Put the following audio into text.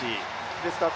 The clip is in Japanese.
ですから